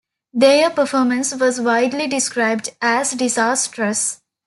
Their performance was widely described as disastrous.